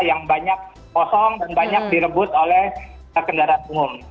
yang banyak kosong dan banyak direbut oleh kendaraan umum